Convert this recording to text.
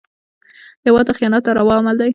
هېواد ته خیانت ناروا عمل دی